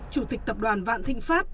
chủ tịch tập đoàn vạn thịnh pháp